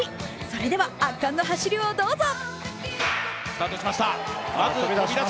それでは圧巻の走りをどうぞ。